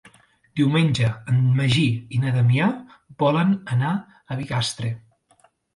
Diumenge en Magí i na Damià volen anar a Bigastre.